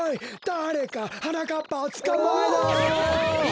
だれかはなかっぱをつかまえろ！